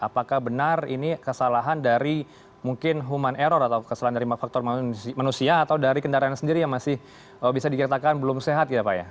apakah benar ini kesalahan dari mungkin human error atau kesalahan dari faktor manusia atau dari kendaraan sendiri yang masih bisa dikatakan belum sehat ya pak ya